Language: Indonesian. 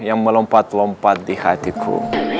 yang melompat lompat di hatiku